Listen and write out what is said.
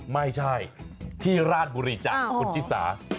ไม่ใช่ที่ราชบุรีจ้ะคุณชิสา